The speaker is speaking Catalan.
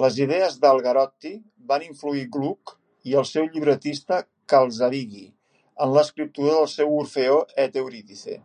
Les idees d'Algarotti van influir Gluck i el seu llibretista Calzabigi en l'escriptura del seu Orfeo ed Euridice.